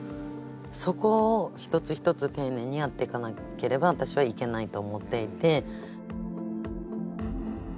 そこを一つ一つ丁寧にやっていかなければ私はいけないと思っていて。